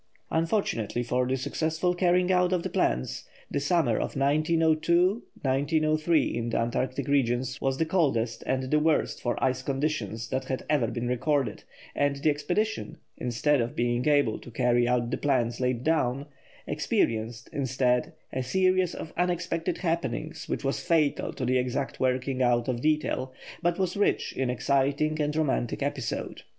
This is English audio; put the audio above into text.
Unfortunately for the successful carrying out of the plans, the summer of 1902 3, in the Antarctic regions, was the coldest and the worst for ice conditions that has ever been recorded, and the expedition, instead of being able to carry out the plans laid down, experienced, instead, a series of unexpected happenings which was fatal to the exact working out of detail, but was rich in exciting and romantic episode.